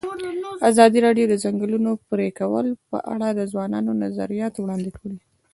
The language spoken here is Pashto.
ازادي راډیو د د ځنګلونو پرېکول په اړه د ځوانانو نظریات وړاندې کړي.